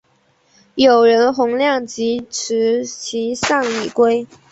友人洪亮吉持其丧以归。